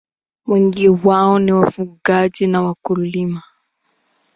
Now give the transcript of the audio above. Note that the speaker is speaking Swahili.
Wengi wao ni wafugaji na wakulima.